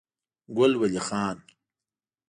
ګل ولي خان